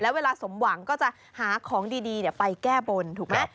เวลาสมหวังก็จะหาของดีไปแก้บนถูกไหม